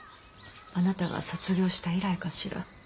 あなたが卒業した以来かしら。